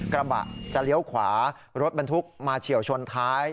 กระบะจะเลี้ยวขวารถบรรทุกมาเฉียวชนท้าย